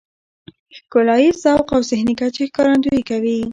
ښکلاييز ذوق او ذهني کچې ښکارندويي کوي .